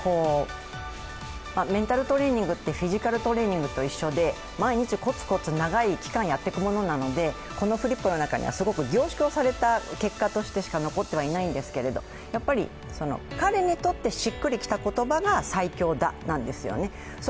メンタルトレーニングってフィジカルトレーニングと一緒で毎日こつこつ長い期間、やっていくものなのでこのフリップの中にはすごく凝縮された結果としてしか残ってないんですけどやはり彼にとってしっくりきた言葉が「最強だ」なんですよね。